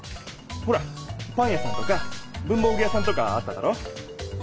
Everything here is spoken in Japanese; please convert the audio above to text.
ほらパン屋さんとか文房具屋さんとかあっただろ？